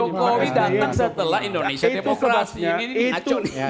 jokowi datang setelah indonesia tepok ras ini